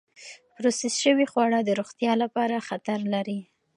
پروسس شوې خواړه د روغتیا لپاره خطر لري.